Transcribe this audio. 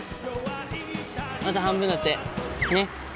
あと半分だってねっ。